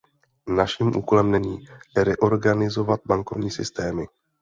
Naším úkolem není reorganizovat bankovní systémy.